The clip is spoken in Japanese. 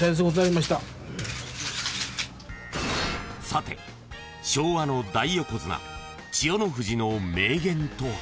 ［さて昭和の大横綱千代の富士の名言とは？］